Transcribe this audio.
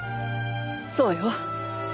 そうよ。